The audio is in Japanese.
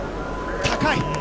高い。